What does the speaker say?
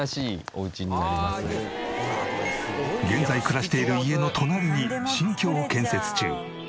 現在暮らしている家の隣に新居を建設中。